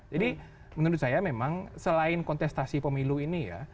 jadi menurut saya memang selain kontestasi pemilu ini ya